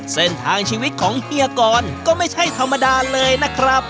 เส้นทางชีวิตของเฮียกรก็ไม่ใช่ธรรมดาเลยนะครับ